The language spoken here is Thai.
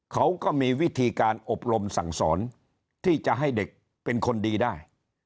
เขาก็มีวิธีการอบรมสั่งสอนที่จะให้เด็กเป็นคนดีได้